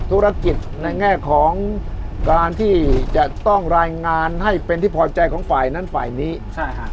ธุรกิจในแง่ของการที่จะต้องรายงานให้เป็นที่พอใจของฝ่ายนั้นฝ่ายนี้ใช่ฮะ